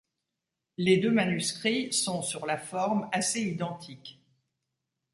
Les deux manuscrits sont sur la forme assez identiques.